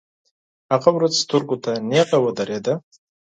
هغه ورځ سترګو ته نیغه ودرېده.